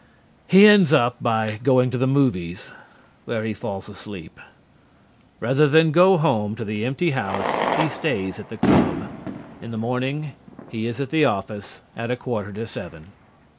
He ends up by going to the movies where he falls asleep. Rather than go home to the empty house he stays at the club. In the morning he is at the office at a quarter to seven.